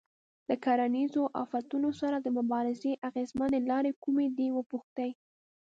له کرنیزو آفتونو سره د مبارزې اغېزمنې لارې کومې دي وپوښتئ.